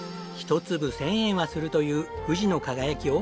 １粒１０００円はするという富士の輝を。